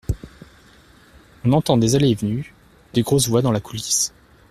On entend des allées et venues… des grosses voix dans la coulisse.